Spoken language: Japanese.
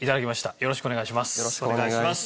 よろしくお願いします。